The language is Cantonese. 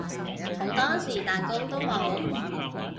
好多時蛋糕都冇